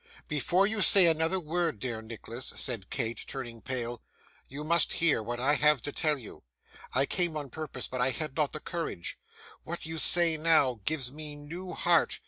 'Before you say another word, dear Nicholas,' said Kate, turning pale, 'you must hear what I have to tell you. I came on purpose, but I had not the courage. What you say now, gives me new heart.